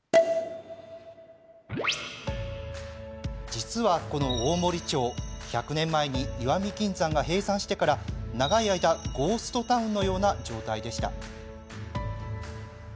実はこの大森町、１００年前に石見銀山が閉山してから長い間、ゴーストタウンのような状態でした。